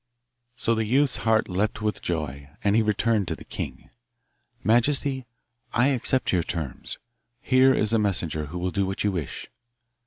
So the youth's heard leapt for joy, and he returned to the king. 'Majesty, I accept your terms. HEre is the messenger who will do what you wish.